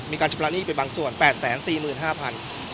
ชำระหนี้ไปบางส่วน๘๔๕๐๐บาท